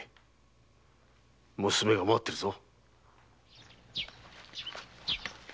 娘が待ってるぞ。